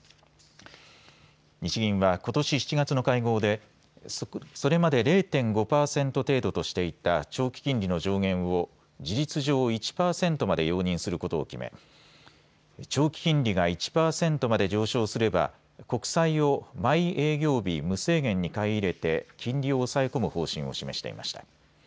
日銀はことし７月の会合でそれまで０．５％程度としていた長期金利の上限を事実上１％まで容認することを決め長期金利が１％まで上昇すれば国債を毎営業日無制限に買い入れて金利を抑え込む方針を示していました。